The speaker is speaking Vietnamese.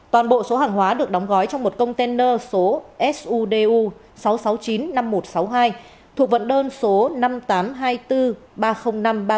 toàn bộ số hàng hóa được đóng gói trong một container số sudu sáu trăm sáu mươi chín năm nghìn một trăm sáu mươi hai thuộc vận đơn số năm nghìn tám trăm hai mươi bốn ba mươi nghìn năm trăm ba mươi ba